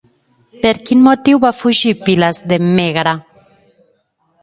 Per quin motiu va fugir Pilas de Mègara?